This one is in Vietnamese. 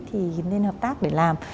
thì nên hợp tác để làm